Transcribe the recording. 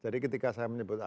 jadi ketika saya menyebut agama